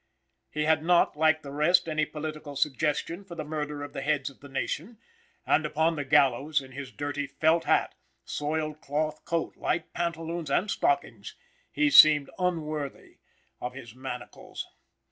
He had not, like the rest, any political suggestion for the murder of the heads of the nation; and upon the gallows, in his dirty felt hat, soiled cloth coat, light pantaloons and stockings, he seemed unworthy of his manacles.